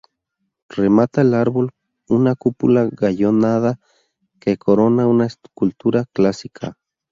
Remata el árbol una cúpula gallonada que corona una escultura clásica.